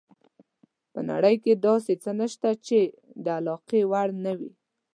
په نړۍ کې داسې څه نشته چې د علاقې وړ نه وي.